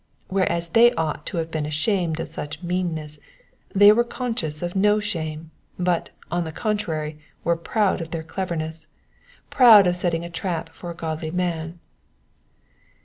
Whereas they ought to have been ashamed of such meanness, they were conscious of no shame, but, on the contrary, were proud of their cleverness; proud of setting a trap for a godly man.